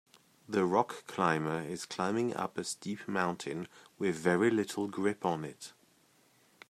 The rock climber is climbing up a steep mountain with very little grip on it.